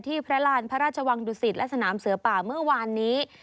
พระราณพระราชวังดุสิตและสนามเสือป่าเมื่อวานนี้